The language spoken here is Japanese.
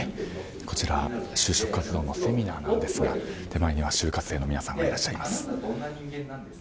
こちら、就職活動のセミナーなんですが手前には就活性の皆さんがいらっしゃいます。